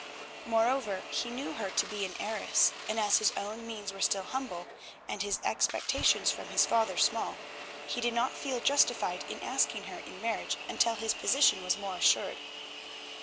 Moreover he knew her to be an heiress, and as his own means were still humble, and his expectations from his father small, he did not feel justified in asking her in marriage until his position was more assured.